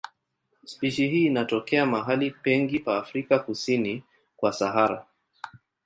Spishi hii inatokea mahali pengi pa Afrika kusini kwa Sahara.